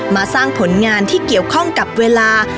มาสร้างผลงานที่เกี่ยวข้องกับเวลา